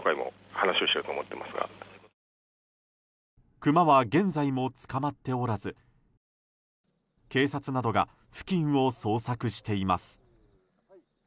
クマは現在もつかまっておらず警察などが付近を捜索しています。